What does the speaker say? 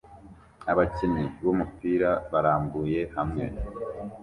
Abakinnyi b'umupira barambuye hamwe